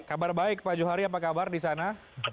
kabar baik pak johari apa kabar di sana